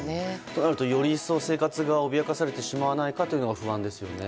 となるとより一層生活が脅かされてしまわないかというのが不安ですよね。